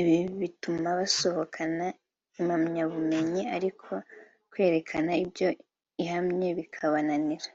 ibi bituma basohokana impamyabumenyi ariko kwerekana ibyo ihamya bikabananira